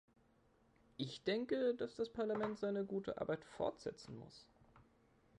Ich denke, dass das Parlament seine gute Arbeit fortsetzen muss.